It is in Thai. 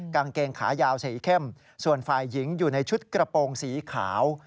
กางเกงขายาวสีเข้มส่วนฝ่ายหญิงอยู่ในชุดกระโปรงสีขาว